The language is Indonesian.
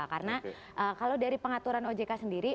karena kalau dari pengaturan ojk sendiri